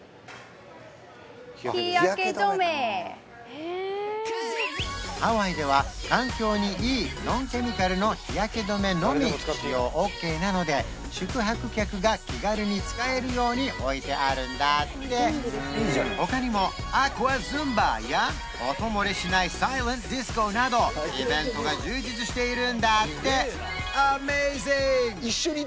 へえハワイでは環境にいいノンケミカルの日焼け止めのみ使用オーケーなので宿泊客が気軽に使えるように置いてあるんだって他にもアクア・ズンバや音漏れしないサイレント・ディスコなどイベントが充実しているんだってアメージング！